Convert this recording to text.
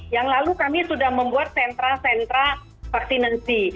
yang lalu kami sudah membuat sentra sentra vaksinasi